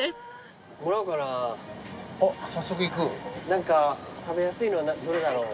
何か食べやすいのどれだろう？